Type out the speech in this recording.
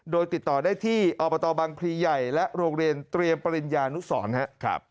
โดยติดต่อได้ที่อบตบังพลีใหญ่และโรงเรียนเตรียมปริญญานุสรครับ